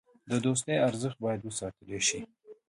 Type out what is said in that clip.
د دوستۍ ارزښت باید وساتل شي.